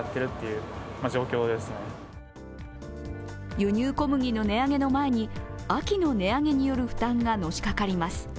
輸入小麦の値上げの前に秋の値上げによる負担がのしかかります。